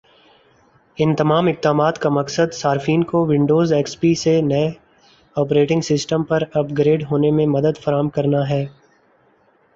ان تمام اقدامات کا مقصد صارفین کو ونڈوز ایکس پی سے نئے آپریٹنگ سسٹم پر اپ گریڈ ہونے میں مدد فراہم کرنا ہے